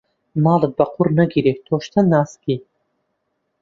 ماڵت بە قوڕ نەگیرێ تۆش چەند ناسکی.